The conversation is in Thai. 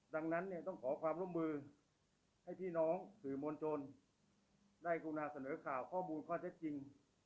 ดังนั้นเนี่ยต้องขอความร่วมมือให้พี่น้องสื่อมวลชนได้กรุณาเสนอข่าวข้อมูลข้อเท็จจริง